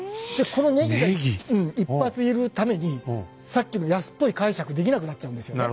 このネギが一発いるためにさっきの安っぽい解釈できなくなっちゃうんですよね。